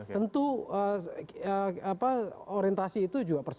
tentu orientasi itu juga persis